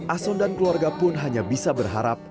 ahson dan keluarga pun hanya bisa berharap